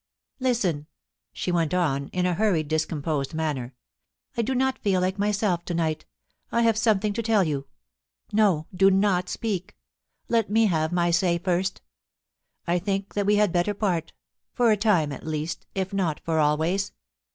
... Listen !' she went on, in a hurried discomposed manner, * I do not feel like myself to night I have something to tell you. No, do not speak ; let me have my say first I think that we had better part — for a time at least — if not for always.